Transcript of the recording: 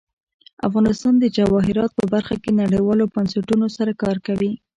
افغانستان د جواهرات په برخه کې نړیوالو بنسټونو سره کار کوي.